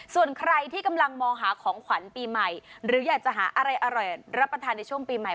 ส่วนใครที่กำลังมองหาของขวัญปีใหม่หรืออยากจะหาอะไรอร่อยรับประทานในช่วงปีใหม่